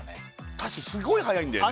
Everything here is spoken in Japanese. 確かにすごい速いんだよね